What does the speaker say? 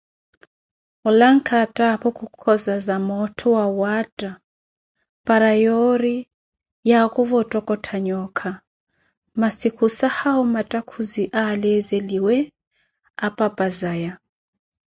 Olankha attaapho khukhozaza moottho wawaatta para yoori yaakuve ottokottha yooca, masi khusahawu mattakhuzi aleezeliye apapazaya.